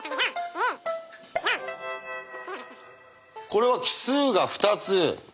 これは奇数が２つ。